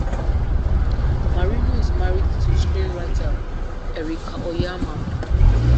Marino is married to screenwriter Erica Oyama.